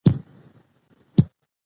که کار وي نو غال نه وي.